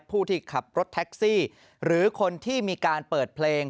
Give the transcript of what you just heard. ผู้ที่ขับรถแท็กซี่หรือคนที่มีการเปิดเพลง